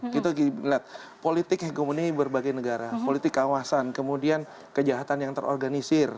kita melihat politik hegemoni berbagai negara politik kawasan kemudian kejahatan yang terorganisir